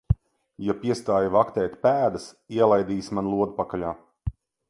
Ja piestāji vaktēt pēdas, ielaidīsi man lodi pakaļā.